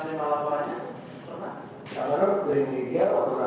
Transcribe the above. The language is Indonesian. tidak pernah tidak pernah tidak pernah